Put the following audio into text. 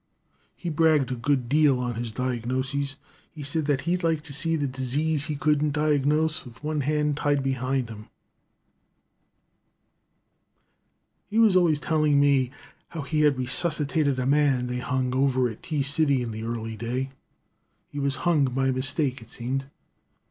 "He bragged a good deal on his diagnosis. He said he'd like to see the disease he couldn't diagnose with one hand tied behind him. "He was always telling me how he had resuscitated a man they hung over at T City in the early day. He was hung by mistake, it seemed.